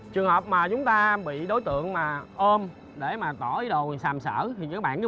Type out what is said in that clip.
trường hợp mà chúng ta bị đối tượng mà ôm để mà tỏ ý đồ sàm sở thì các bạn cứ bình tĩnh